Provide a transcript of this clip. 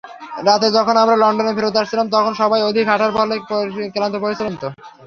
রাতে যখন আমরা লন্ডনে ফেরত আসছিলাম, তখন সবাই অধিক হাঁটার ফলে ক্লান্ত–পরিশ্রান্ত।